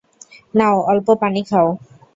নাও, অল্প পানি খাও।